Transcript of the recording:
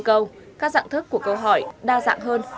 các dạng thức của câu hỏi đa dạng hơn